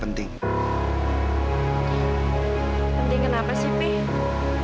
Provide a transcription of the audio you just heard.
penting kenapa sih pih